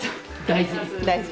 大事。